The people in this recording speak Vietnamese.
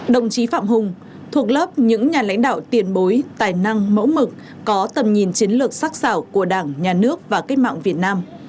đồng chí phạm hùng thuộc lớp những nhà lãnh đạo tiền bối tài năng mẫu mực có tầm nhìn chiến lược sắc xảo của đảng nhà nước và cách mạng việt nam